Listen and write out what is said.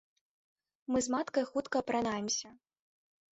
Мы з маткай хутка апранаемся.